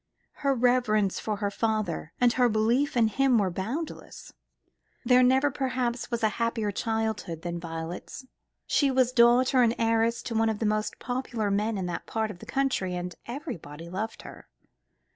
Her reverence for her father, and her belief in him, were boundless. There never, perhaps, was a happier childhood than Violet's. She was daughter and heiress to one of the most popular men in that part of the country, and everybody loved her.